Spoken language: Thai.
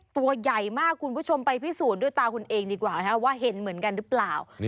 ตัวใหญ่มากคุณผู้ชมไปพิสูจน์ด้วยตาคุณเองดีกว่านะครับว่าเห็นเหมือนกันหรือเปล่า